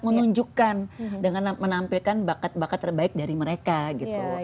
menunjukkan dengan menampilkan bakat bakat terbaik dari mereka gitu